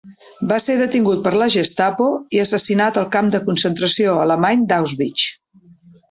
Va ser detingut per la Gestapo i assassinat al camp de concentració alemany d'Auschwitz.